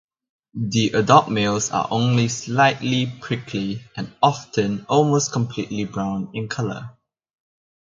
The adult males are only slightly prickly and often almost completely brown in color.